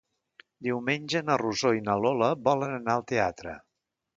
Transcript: Diumenge na Rosó i na Lola volen anar al teatre.